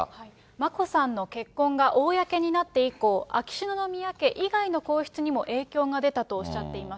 眞子さんの結婚が公になって以降、秋篠宮家以外の皇室にも影響が出たとおっしゃっています。